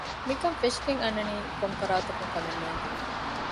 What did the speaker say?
މިކަން ފެށިގެން އަންނަނީ ކޮށްފަރާތަކުން ކަމެއް ނޭނގެ